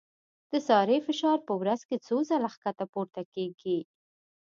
د سارې فشار په ورځ کې څو ځله ښکته پورته کېږي.